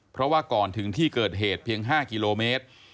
เพราะว่าก่อนถึงที่เกิดเหตุเพียง๕กิโลเมตร